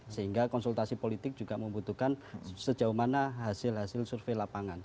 sehingga konsultasi politik juga membutuhkan sejauh mana hasil hasil survei lapangan